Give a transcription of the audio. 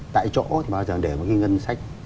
tại chỗ thì bao giờ để một cái ngân sách